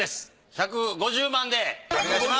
１５０万でお願いします。